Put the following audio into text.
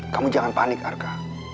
kamu jangan panik arka